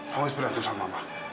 kamu harus berantem sama mama